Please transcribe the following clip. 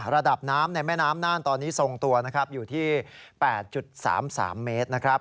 ระดับน้ำในแม่น้ำน่านตอนนี้ส่งตัวอยู่ที่๘๓๓เมตร